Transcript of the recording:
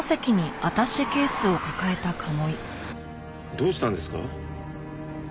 どうしたんですか？